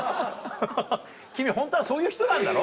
君ホントはそういう人なんだろ？